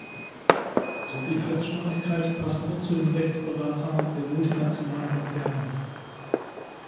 Soviel Halsstarrigkeit passt nur zu den Rechtsberatern der multinationalen Konzerne.